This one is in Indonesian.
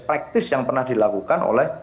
praktis yang pernah dilakukan oleh